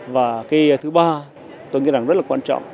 và cái thứ ba tôi nghĩ rằng rất là quan trọng